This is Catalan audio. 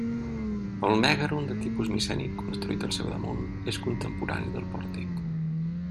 El mègaron de tipus micènic, construït al seu damunt, és contemporani del pòrtic.